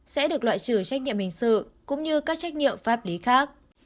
sẽ được loại trừ trách nhiệm hình sự cũng như các trách nhiệm pháp lý khác